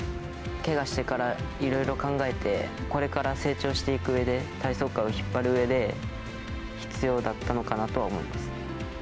けがしてからいろいろ考えて、これから成長していくうえで、体操界を引っ張るうえで、必要だったのかなとは思います。